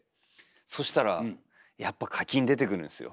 そしたらやっぱ課金出てくるんですよ。